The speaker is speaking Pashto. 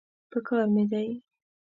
پکار مې دی.